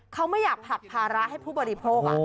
เขาไม่อยากผลักภาระให้ผู้บริโภค